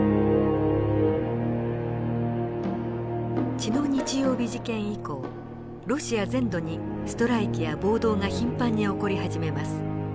血の日曜日事件以降ロシア全土にストライキや暴動が頻繁に起こり始めます。